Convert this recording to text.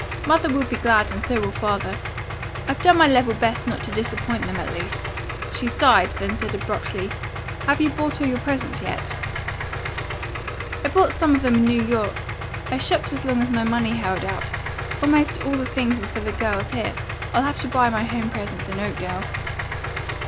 "Mother will be glad and so will Father. I've done my level best not to disappoint them, at least." She sighed, then said abruptly, "Have you bought all your presents yet?" "I bought some of them in New York. I shopped as long as my money held out. Almost all the things were for the girls here. I'll have to buy my home presents in Oakdale."